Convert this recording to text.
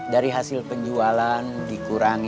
dari hasil penjualan